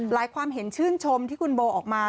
ความเห็นชื่นชมที่คุณโบออกมา